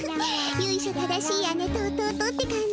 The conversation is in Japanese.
ゆいしょ正しい姉と弟って感じ？